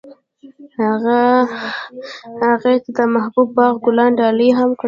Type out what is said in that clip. هغه هغې ته د محبوب باغ ګلان ډالۍ هم کړل.